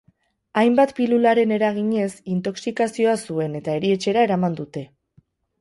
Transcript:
Hainbat pilularen eraginez intoxikazioa zuen eta erietxera eraman dute.